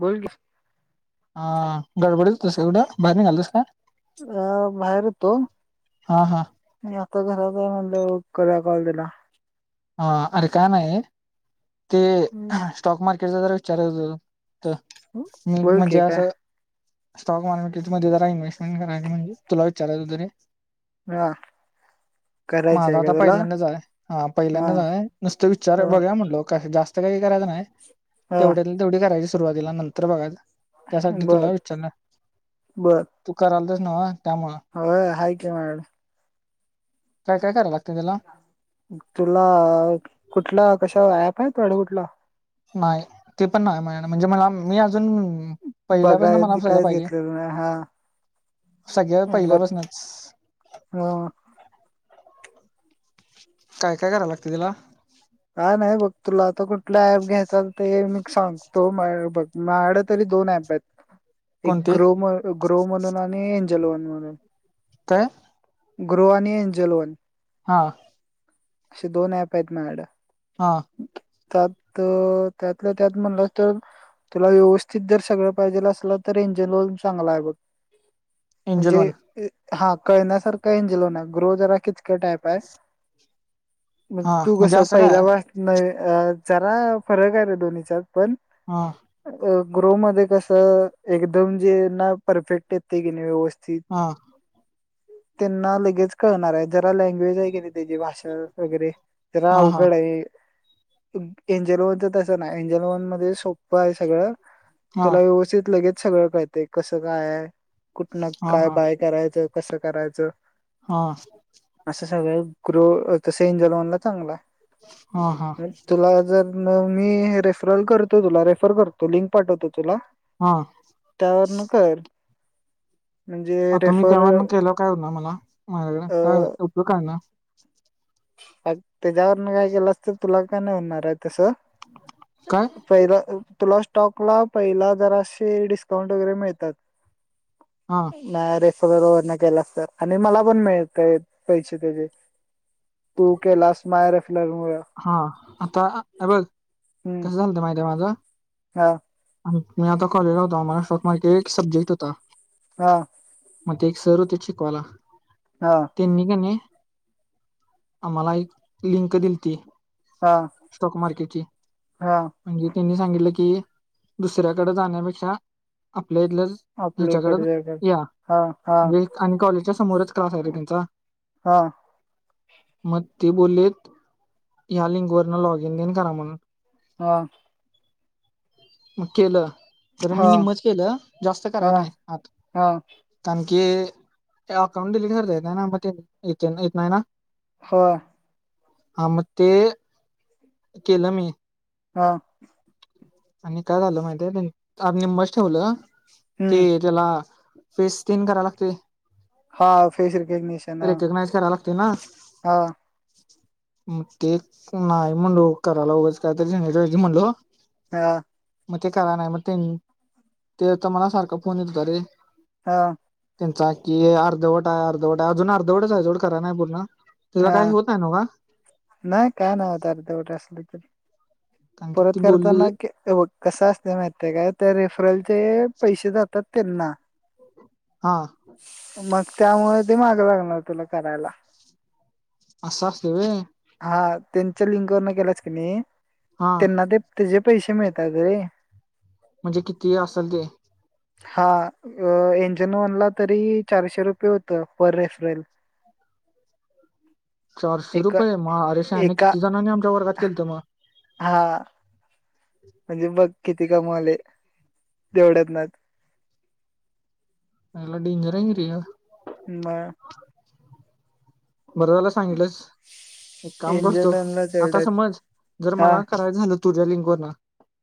बोल की हा गडबडीत तसोड बाहेर निघालीस का? अ बाहेर हुतो हा हा आणि आता घरात हाय म्हटलं करूया कॉल तिला. हा अरे काय नाही, ते हम्म स्टॉक मार्केटचा जरा विचारायचं हुतं. त मग बोल म्हणजे की काय असं स्टॉक मार्केटमध्ये जरा इन्व्हेस्टमेंट करायची म्हणून तुला विचारायचं होतं रे हा करायचं माझा आहे का आता तुला पहिल्यांदाच हाय. हा पहिल्यांदाच हाय, नुसत विचारावं हा बघ्याव म्हटलो का जास्त काही करायच नाही हा तेवढ्यातलं तेवढं करायचं सुरुवातीला नंतर बघायचं त्यासाठी बर तुला विचारलं, तू करालतस न्हव? हो हाय की मायाड काय काय कराय लागते त्याला? तुला कुठला कशा ऍप आहे तुयाड कुठला? नाही, ते पण नाही मायाड म्हणजे मला, मी अज जून पहिल्यापासन बघाय मना सगळं कायच पाहिजे. घेतलेलं नाही हा सगळ्यात पहिल्या बर पासनच हा काय काय कराय लागते त्याला? काय नाही बघ, तुला आता कुठला ऍप घ्यायचा ते मी सांगतो माय बघ मायाड तरी दोन ऍप आहेत, एक कोणते ग्रो म ग्रो म्हणून आणि एंजल वन म्हणून. काय? ग्रो आणि एंजल् वन- हा. असे दोन ऍप आहेत मायाड. हा. त्यात, त्यातलं त्यात म्हणलं तर तुला व्यवस्थित जर सगळं पाहिजेल असलं तर एंजन वन चांगला हाय बघ. एंजल वन म्हणजे हा कळण्यासारखा एंजल वन आहे. ग्रो जरा किचकट टाईप आहे. मग हा तू म्हणजे कसं असं काय पहिलवासन अ जरा फरक आहे रे दोन्हीच्यात. पण हा अ ग्रो मध्ये कसं एकदम जे ना परफेक्ट येत ते की नाही व्यवस्थित हा. त्यांना लगेच कळणाराय, जरा लँग्वेज आहे कणी त्याची भाषा वगैरे जरा हा अव हा गड आहे. एंजल वनच तसं नाही एंजलवन मध्ये सोप्पं आहे सगळं. हा हा तुला व्यवस्थित लगेच सगळं कळते कसं काय आहे कुठन हा काय बाय करायचं कसं करायचं हा सगळ ग्रो त एंजलन चांगला हा हा तु जर मी हे रेफरल करतो तुला रेफर करतो लिंक पाठवतो तुला हा त्यावर न कर म्हणजे आता मी रेफर त्यावर केल काय हो ना मला माझ्याकडे अ काय उपयोग ना त्याच्यावरन काय केलं अस तर तुला काय नाही होणार आहे तस काय पहिला तुला स्टॉकला पहिला जराशी डिस्काउंट वगैरे मिळतात हा नाही रे [unintelligible] केला असत आणि मला पण मिळत पैसे त्याचे तू केलास मायरफला मुळे हा आता हे बघ कसं झालत माहिती माझं हा मी आता कॉलेजलाहताो [unintelligible] एक सब्जेक्ट होता हा मग ते एक सर होते शिकवाला हा तेनी किनी आम्हाला एक लिंक दिलती हा स्टॉक मार्केटची. हा म्हणजे त्यांनी सांगितलं की दुसऱ्याकडे जाण्यापेक्षा आप प्लेलस आपल्या ह्याच्याकड इकडच्या इकडे या हा हा विल्स आणि कॉलेजच्या समोरच क्लास आहे र त्यांचा हा मग ते बोललेत या लिंक वरन लॉग इन करा म्हणून हा मग केलं तर मी हा हिंमत [unintelligible] केलं जास्त करा हा ना आत हा ते अकाउंट डिलीट करताय मग येत इत ते ईत नाही ना हा हा मग ते केलं मी हा आणि काय झालं माहिित आ नि मस ठेवलं ते हम्म त्याला फेस तीन कराव लागते हा फेस रिकग्निशन ह ते ना हा मग ते नाही म्हणलो करायला उगंच काय तरी झण्याजी म्हणलो हा मग ते करा नाही मग ते ते तर मला सारखा फोन येत रे हा त्यांचा की अर्धवट आहे अर्धवट आहे आजुन अर्धवट आहे जेव्हड खर नाही बोलणार हा नाही काय नाही अर्धवट असल क कारण की ती परत बोलली करताना बघ कसं असतय महिती हाय काय, त्या रेफरलचे पैसे जातात तेनां हा मग त्यामुळे ते मागं लागणार तुला करायला. आसं आसतयं व्हय हा त्यांच्या लिंंक वरन केलाच क ने हा त्यांना ते तेजे पैसे मिळतात रे. म्हणजे किती आसंल ते. हा अं एंजन वनला तरी चारशे रुपय होतं. पर रेफरल. [inaudible] चारशे एका रुपये, म अरे शान्या एका किती जणांनी आमच्या वर्गात केलंत म. हा म्हणजे बघ किती कमावले तेवढ्यातनंच. आयला डेंजर आहे की रे य. म अ बरं झालं सांगितलंस. एक काम करतो, एंजनला आता तेवढ्यात समज जर हा मला कराय झालं तुझ्या लिंक वरन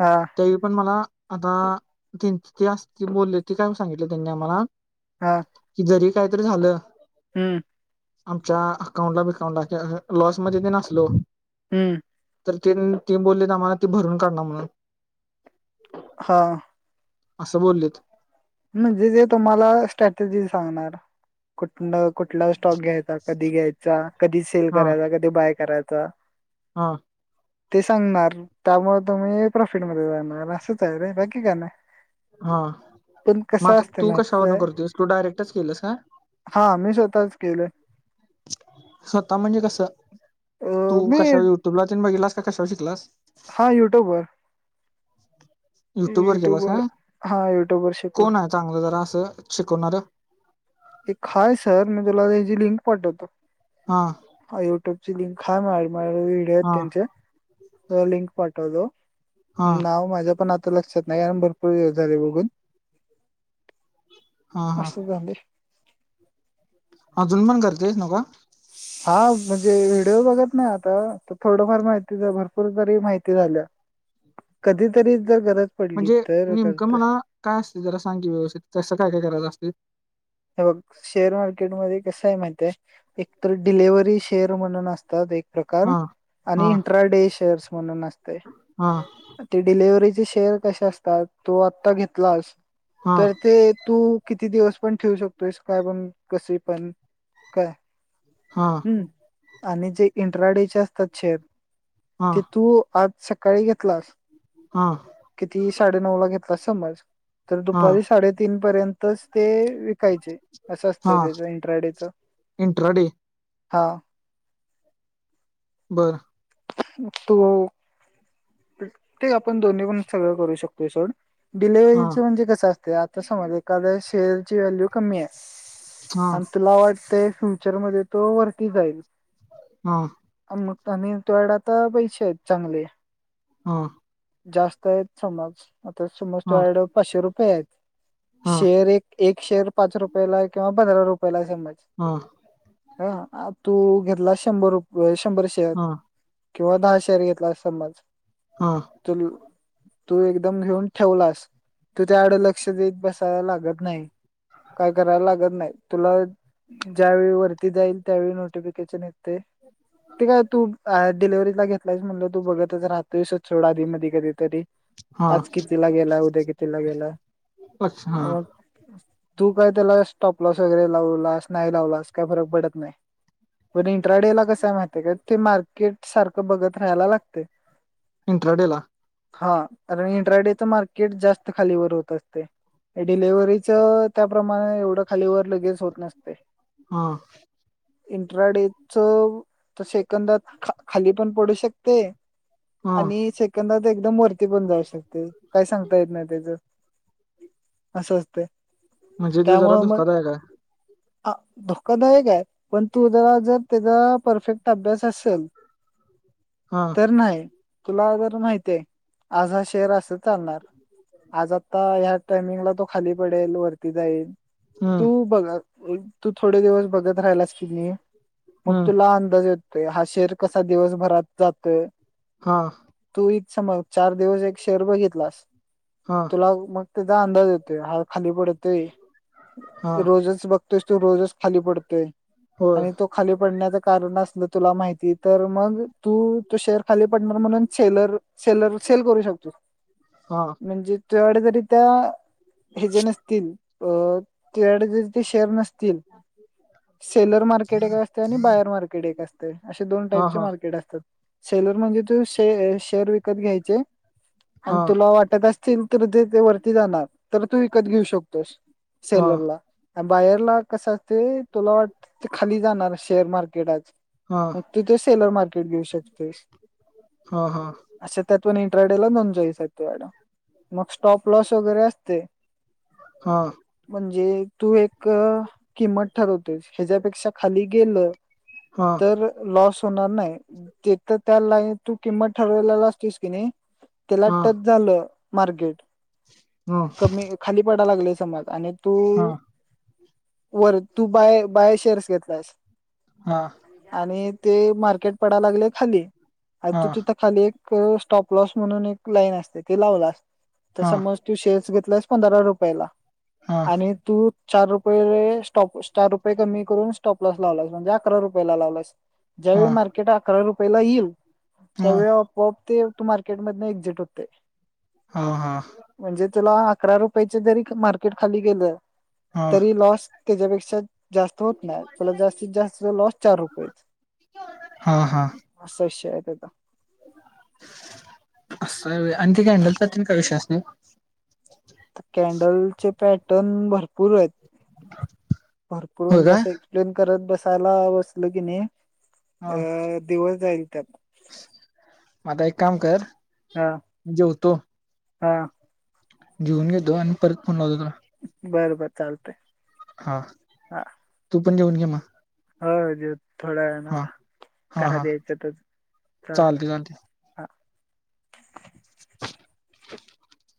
हा त्यावेळी पण मला आता आ ते चं ते आसं ते बोलले ते काय सांगितल त्यांनी आम्हाला हां की जरी काय तरी झालं आमच्या अकाउंटला बिकाऊंट लां लॉस मध्ये तेन आसलो, हम्म तर तेन ते बोललेत आम्हाला ते भरून काढणार म्हणून. हां आसं बोललेत. म्हणजे जे तुम्हाला स्ट्रॅटजी सांगणार कुठ कुठला स्टॉक घ्याय चा कधी घ्यायचा, कधी सेल हा करायचा, कधी बाय करायचा. हा ते सांगणार, त्यामुळं तुम्ही प्रॉफिटमध्ये जाणार असंच आहे रे बाकी काय नाही. हा पण म कसं आता असतं तू ना कशा वरन काय करततोयस तू डायरेक्टच केलंस काय? हा मी स्वतःच केलं. स्वतः म्हणजे कसं? तू अं, मी कशाव युट्यूब ला तेन बघिलास का कशाव शिकलास? हा यूट्यूब वर. युट्यूब वर केलास काय, हा युट्यूबवर शिकलो कोण हाय चांगलं जरा आसं शिक कोणार? एक काय सर मी तुला त्याची लिंक पाठवतो. हा हा युट्यूबची लिंक. हाय माझ्याकडं. माझ्याकडं व्हिडिओ आहेत हा त्यांचे तुला लिंक पाठवतो. हा नाव माझ्या पण आता लक्षात नाही, कारण भरपूर दिवस झाले बघून. हा हा आसं झालयं. अजून पण करतयसं नव का? [inaudible] हा म्हणजे व्हिडिओ बघत नाही आता, आता थोडंफार माहिती झा भरपूर तरी माहिती झालं. कधीतरी जर गरज पडली म्हणजे तर नेमकं करते मला काय असतय जरा सांग की, व्यवस्थित कसं काय काय करायचं असतयं? हे बघ शेअर मार्केटमध्ये कसं हाय माहितय एक तर डिलेव्हरी शेअर म्हणून असत्यात एक प्रकार हा आणि हा इट्रा डे शेअर्स म्हणून असतयं. हा ते डिलेव्हरी री शेअर कशे असतात तो आता घेतलास हा तर ते तू किती दिवस पण ठेवू शकतोयस काय पण कसे पण काय. हा हम्म आणि जे इंट्रा डे चे असतात शेअर हा ते तू आज सकाळी घेतलास हा किती साडे नऊ ला घेतलास समज, तर हा दुपारी साडेतीन पर्यंतच ते विक असल पाहिजे अस असत हा त्याच इंट्राडेच इंट्राडे हा बरं तू ते आपण दोन्ही पण सगळं करू शकतोय सोड. हा डिलेव्हरीचं म्हणजे कसं असते आता समज एाखाद्या शेअर ची व्हॅल्यू कमी आहे. हा आणि तुला वाटत फ्युचर मध्ये तो वरती जाईल. हा अ म आणि तुझ्याकडे आता पैसे आहेत चांगले. हा जास्त आहेत समज आता समज हा तूझ्याकड पाचशे रुपये आहेत हा शेअर एक एक शेअर पाच रुपयाला किंवा पंधरा रुपयाला आहे समज ह तू घेतला शंभर रुप शंभर शेअर हा किंवा दहा शेअर घेतला समज हा तुल तू एकदम घेऊन ठेवलास तू त्या कडे लक्ष देत बसायला लागत नाही काय करायला लागत नाही तुला ज्यावेेळी वरती जाईल त्यावेळी नोटिफिकेशन येत ते ते काय तूअ डिलिव्हरीला घेतलायस म्हणल तू बघत राहतोय असच सोड आधी मधी कधी तरी हा आज कितीला गेलाय उद्या कितीला गेला अच्छा हा हो तू काय त्याला स्टॉपलॉस वगैरे लावलास नाही लावलास काही फरक पडत नाही पण इंट्राडे ला कस आहे माहतीय काय ते मार्केट सारखं बघत राहायला लागते इंट्राडे ला हा कारण इंट्राडेच मार्केट जास्त खालीवर होत असते डिलेव्हरीच त्याप्रमाणे एवढं खाली वर लगेच होत नसते हा इंट्राडे च सेकंदात खाली पण पडू शकते हा आणि एकदम वरती पण जाऊ शकते काय सांगता येत ना त्याच अस अस्तेय म्हणजे ते जरा धोकादायक आहे ह धोकादायक आहे पण तू जरा जर त्याचा परफेक्ट अभ्यास असेल ह [inaudible] तर नाही तुला जर माहित आहे आज हा शेअर असंच चालणार आज आता ह्या टायमिंगला तो खाली पडेल वरती जाईल हम्म तू बघ तू थोडे दिवस बघत राहिलास की नाही मग हम्म तुला अंदाज येतोय हा शेअर कसा दिवसभरात जातोय हा तू इथ समझ चार दिवस एक शेअर बघितलास हा तुला मग त्याचा अंदाज येतोय हा खाली पडतेय हा रोजच बघ त तो रोजच खाली पडतोय होय आणि तो खाली पडण्याच कारण अस मग तुला माहिती तर मग तू तू शेअर खाली पडणार म्हणून सेलर सेलर सेल करू शकतो हा म्हणजे तुझ्या कडे जरी त्या हे जे नसतील अ तुझ्या जरी ते शेअर नसतील ह [unintelligible] सेलर मार्केट एक असते आणि बायर मार्केट एक असते असे दोन हा टाईपचे हा मार्केट असतात सेलर म्हणजे तू शे शेअर विकत घ्यायचे आणि हा तुला वाटत असतील सेल तर ते वरती जाणार तर तू विकत घेऊ शकतोस हा सेलरला बाहेरला कसं असते तुला वाटत ते खाली जाणार शेअर मार्केटात हा मग तू ते सेलर मार्केट घेऊ शकतोयस हा हा अस त्यातून एक ट्रेडेला दोन चोईस असते मँडम मग स्टॉप लॉस वगैरे असते हा म्हणजे तू एक किंमत ठरवतेस ह्याच्यापेक्षा खाली गेलं हा तर लॉस होणार नाही. ते तर त्या लाय तू किंमत ठरवले असतोस किनी त्याला हा टच झालं मार्केट - - ह कमी खाली पडा लागले समाज आणि तू हा वर तू बाय बाय शेअर्स घेतलास हा हा आणि - - ते मार्केट पडाय लागले खाली हा तू तिथं खाली एक - - [unintelligible] स्टॉपलॉस म्हणून एक लाईन असते ते लावलास तर हा समज तू शेअर्स वि- - [unintelligible] पंधरा रुपयाला आणि तु - - चार रुपये स्टॉप चार रुपये कमी करून स्टॉपलस लावलास म्हणजे अकरा रुपये लावलाइस. हा हा ज्यावेळी मार्केट अकरा रुपयाला ईल त्यावेळी ऑपऑप ते - - तू मार्केट मधन एक्झिट होतयं. ह, हा. तुला अकरा रुपयाच जरी मार्केट खाली गेलं हा तरी, लॉस त्याच्यापेक्षा जास्त होत नाही. त्याला जास्तीत जास्त लॉस चार रुपयेचं. असा विषय हाय. अस हाय होय आणि ते कॅन्डलचा काय विषय असतोय. तर कॅन्डलचे पॅटर्न भरपूर हाईत. भरपूर हो म्हणजे का असं एक्सप्लेन करत बसायला बसल कीनी - - अ दिवस जाईल त्यात. म आता एक काम कर हा जेवतो. हा. जिऊन घेतो आणि परत फोन लावतो थांब. बर बर चालतय. हा तू पण घेऊन घे म. हो जे. थोड्या वे ना आता हा हा घरात यायचं तर, चाल चालते चालते हा. [inaudible]